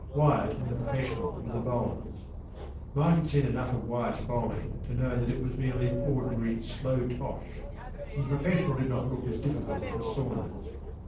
p> Wyatt and the professional were the bowlers.  Mike had seen enough of Wyatt’s bowling to know that it was merely ordinary “slow tosh,” and the professional did not look as difficult as Saunders.